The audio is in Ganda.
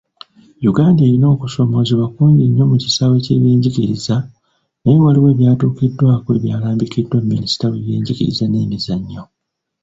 Uganda erina okusomoozebwa kungi nnyo mu kisaawe ky'ebyenjigiriza, naye waliwo ebyatuukiddwako ebyalambikiddwa Minisita w'ebyenjigiriza n'emizannyo.